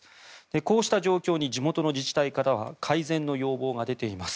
こうした状況に地元の自治体からは改善の要望が出ています。